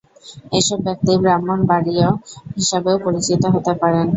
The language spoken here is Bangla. এসব ব্যক্তি ব্রাহ্মণবাড়ীয় হিসাবেও পরিচিত হতে পারেন।